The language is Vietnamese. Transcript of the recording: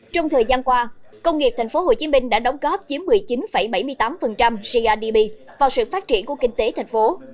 trong thời gian qua công nghiệp tp hcm đã đóng góp chiếm một mươi chín bảy mươi tám grdp vào sự phát triển của kinh tế thành phố